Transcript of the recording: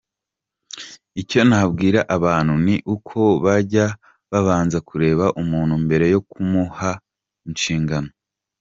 Icyo nabwira abantu ni uko bajya babanza kureba umuntu mbere yo kumuha inshingano.